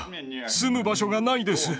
住む場所がないです。